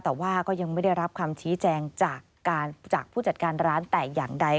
แต่ว่าก็ยังไม่ได้รับคำชี้แจงจากผู้จัดการร้านแต่อย่างใด